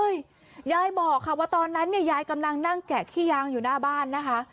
ยายบอกค่ะว่าตอนนั้นเนี่ยยายกำลังนั่งแกะขี้ยางอยู่หน้าบ้านนะคะ